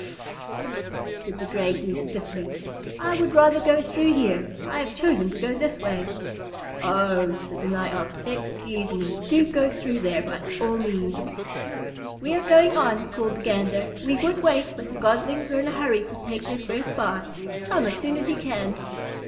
"Sssss!" said the Gray Goose stiffly. "I would rather go through here. I have chosen to go this way." "Oh!" said the Nigh Ox, "excuse me! Do go through there by all means!" "We are going on," called the Gander; "we would wait, but the Goslings are in a hurry to take their first bath. Come as soon as you can."